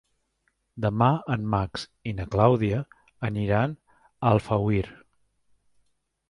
Demà en Max i na Clàudia aniran a Alfauir.